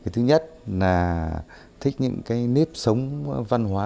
thứ nhất là thích những cái nếp sống văn hóa